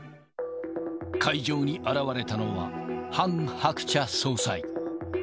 会場に現れたのは、ハン・ハクチャ総裁。